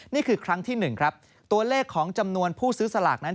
นี่คือครั้งที่๑ครับตัวเลขของจำนวนผู้ซื้อสลากนั้น